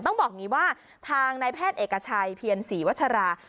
ต้องบอกว่าทางนายแพทย์เอกชัยพีเอ็นสีวัชรา